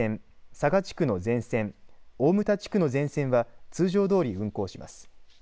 佐賀地区の全線、大牟田地区の全線は通常どおり運行します。